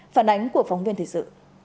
phản ánh của phóng viên thị sự